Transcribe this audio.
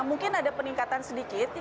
mungkin ada peningkatan sedikit